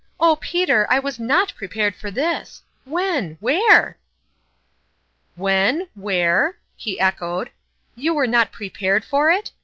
" Oh, Peter, I was not prepared for this ! When ? Where ?" "When? Where?" he echoed. "You were not prepared for it